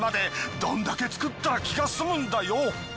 どんだけ造ったら気が済むんだよ。